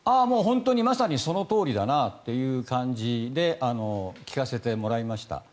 本当にまさにそのとおりだなという感じで聞かせてもらいました。